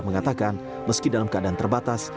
mengatakan meski dalam keadaan terbatas